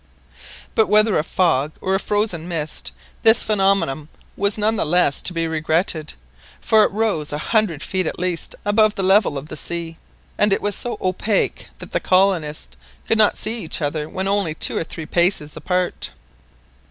But whether a fog or a frozen mist this phenomenon was none the less to be regretted, for it rose a hundred feet at least above the level of the sea, and it was so opaque that the colonists could not see each other when only two or three paces apart.